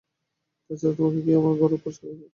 তাছাড়া, তোমাকে কী আমি কখনো ঘর পরিষ্কার করতে বলেছি?